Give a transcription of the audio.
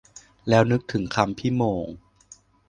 แล้วนึกถึงคำพี่โหม่ง